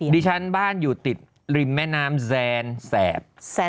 ที่บ้านอยู่ติดริมแม่น้ำแซนแสบ